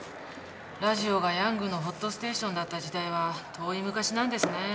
ラジオがヤングのホットステーションだった時代は遠い昔なんですね。